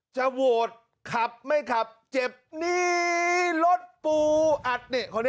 จะโหวตขับไม่ขับเจ็บนี้รถปูอัด